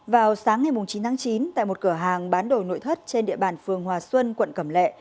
vào sáng ngày chín tháng chín tại một cửa hàng bán đồ nội thất trên địa bàn phường hòa xuân quận cẩm lệ